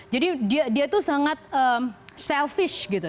jadi dia itu sangat selfish gitu